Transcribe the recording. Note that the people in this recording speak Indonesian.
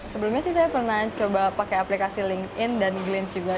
sebelumnya sih saya pernah coba pakai aplikasi linkedin dan glynch juga